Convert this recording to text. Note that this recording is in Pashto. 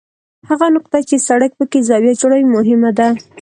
هغه نقطه چې سړک پکې زاویه جوړوي مهم ده